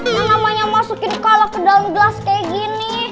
yang namanya masukin kolak ke dalam gelas kayak gini